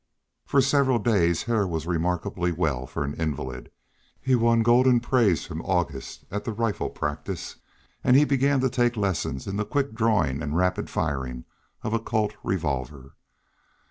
For several days Hare was remarkably well, for an invalid. He won golden praise from August at the rifle practice, and he began to take lessons in the quick drawing and rapid firing of a Colt revolver.